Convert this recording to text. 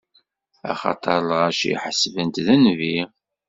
Axaṭer lɣaci ḥesben-t d nnbi.